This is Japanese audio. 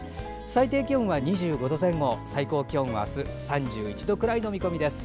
最低気温は２５度前後最高気温は３１度くらいの見込みです。